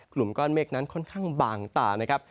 กลุ่มก้อนเมฆนั้นค่อนข้างบางตานะครับ